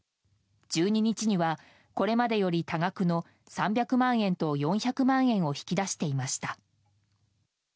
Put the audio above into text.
１２日には、これまでより多額の３００万円と４００万円を引き出していました。